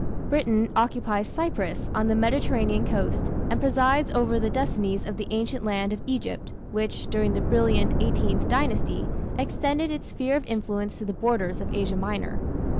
Britain occupies Cyprus on the Mediterranean coast, and presides over the destinies of the ancient land of Egypt, which, during the brilliant Eighteenth Dynasty, extended its sphere of influence to the borders of Asia Minor.